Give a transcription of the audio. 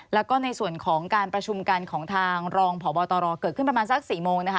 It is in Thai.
แล้วก็ในส่วนของการประชุมกันของทางรองพบตรเกิดขึ้นประมาณสัก๔โมงนะคะ